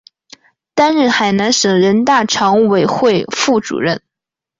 担任海南省人大常委会副主任。